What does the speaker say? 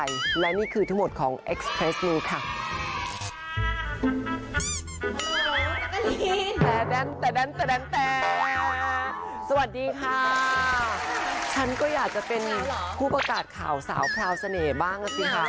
ฉันก็อยากจะเป็นคู่ประกาศข่าวสาวข่าวเสน่ห์บ้างน่ะสิค่ะ